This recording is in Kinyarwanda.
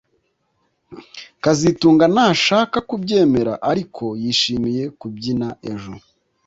kazitunga ntashaka kubyemera ariko yishimiye kubyina ejo